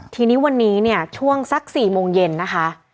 ทีนี้วันนี้เนี่ยช่วงสัก๔โมงเย็นนะคะ